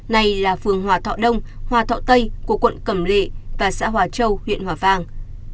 này là phường hòa thọ đông hòa thọ tây của quận cẩm lệ và xã hòa châu huyện hòa vang